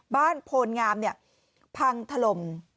บ้านโพลงามเนี่ยพังถลม